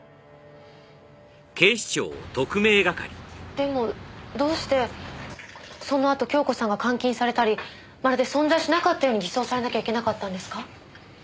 でもどうしてそのあと京子さんが監禁されたりまるで存在しなかったように偽装されなきゃいけなかったんですか？